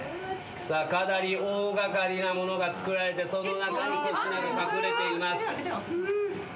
さあかなり大掛かりなものがつくられてその中に粗品が隠れています。